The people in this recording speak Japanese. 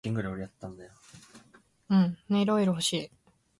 ネイルオイル欲しい